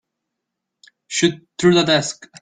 Shoot through the desk.